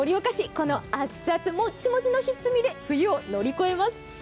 この熱々もちもちのひっつみで冬を乗り越えます。